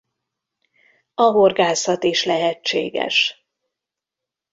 A horgászat is lehetséges.